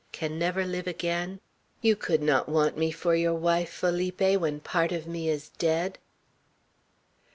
can never live again? You could not want me for your wife, Felipe, when part of me is dead!"